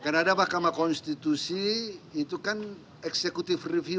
ya karena ada mahkamah konstitusi itu kan eksekutif reviewnya